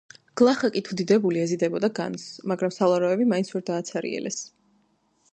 გლახაკი თუ დიდებული ეზიდებოდა განძს, მაგრამ სალაროები მაინც ვერ დააცარიელეს.